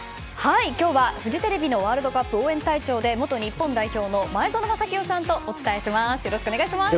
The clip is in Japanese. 今日はフジテレビのワールドカップ応援隊長で元日本代表の前園真聖さんとお伝えします。